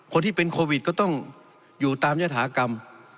คนที่เป็นโควิดก็ต้องอยู่ตามยฐากรรม